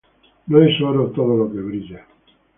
No todo lo que brilla es oro